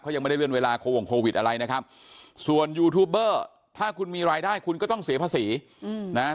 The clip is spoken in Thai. ยังไม่ได้เลื่อนเวลาโควงโควิดอะไรนะครับส่วนยูทูบเบอร์ถ้าคุณมีรายได้คุณก็ต้องเสียภาษีนะ